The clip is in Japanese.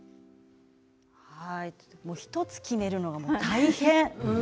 １つ決めるのが大変。